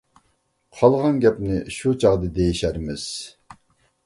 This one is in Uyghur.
قالغان گەپنى شۇ چاغدا دېيىشەرمىز.